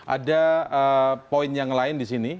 ada poin yang lain di sini